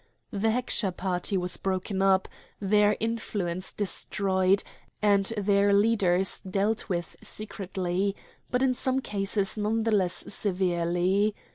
The Heckscher party was broken up, their influence destroyed, and their leaders dealt with secretly, but in some cases none the less severely.